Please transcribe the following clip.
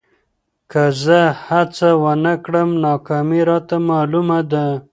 که زه هڅه ونه کړم، ناکامي راته معلومه ده.